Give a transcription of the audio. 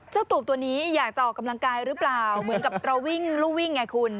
ตูบตัวนี้อยากจะออกกำลังกายหรือเปล่าเหมือนกับเราวิ่งรูวิ่งไงคุณ